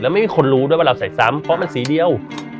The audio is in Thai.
ไม่มีคนรู้ด้วยว่าเราใส่ซ้ำเพราะมันสีเดียว